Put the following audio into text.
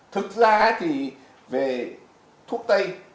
thực ra thì về thuốc tây